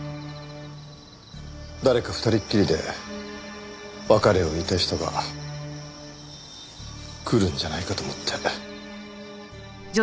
誰か二人きりで別れを言いたい人が来るんじゃないかと思って。